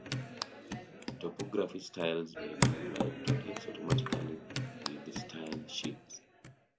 Typography styles may be applied to text automatically with style sheets.